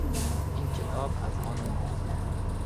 این کتاب از آن اوست.